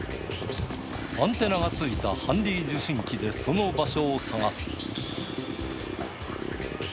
アンテナがついたハンディー受信機でその場所を探す。